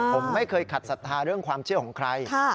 ผมไม่เคยขัดศรัทธาเรื่องความเชื่อของใคร